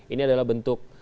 ini adalah bentuk